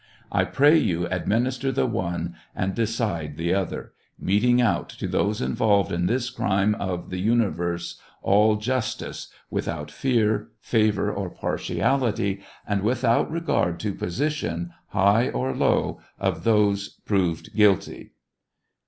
I pray you administer the one, and decide the other, metiug out to those involved in this crime of the universe all justice, without fear, favor, or partiality, and without regard to position, high or low, of I those proved guilty.